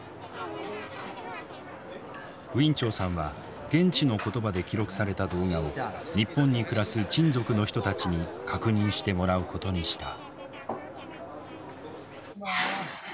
ウィン・チョウさんは現地の言葉で記録された動画を日本に暮らすチン族の人たちに確認してもらうことにした。